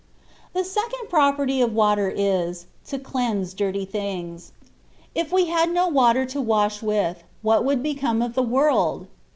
The second property of water is, to cleanse dirty things. If we had no water to wash with, what would become of the world